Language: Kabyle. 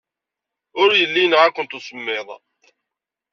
Ur yelli yenɣa-kent usemmiḍ.